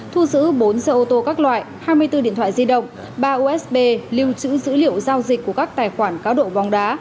thu giữ bốn xe ô tô các loại hai mươi bốn điện thoại di động ba usb lưu trữ dữ liệu giao dịch của các tài khoản cáo độ bóng đá